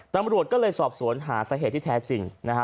ตำรวจก็เลยสอบสวนหาสาเหตุที่แท้จริงนะฮะ